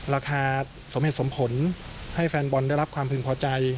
ราคาสมเหตุสมผลให้แฟนบอลได้รับความพึงพอใจ